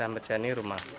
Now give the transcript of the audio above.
sampai jadi rumah